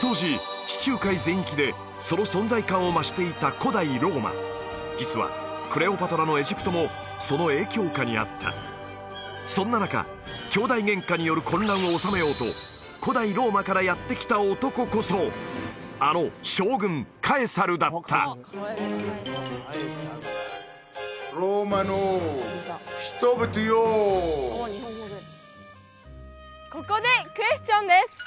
当時地中海全域でその存在感を増していた古代ローマ実はクレオパトラのエジプトもその影響下にあったそんな中きょうだいゲンカによる混乱をおさめようと古代ローマからやって来た男こそあの将軍カエサルだったここでクエスチョンです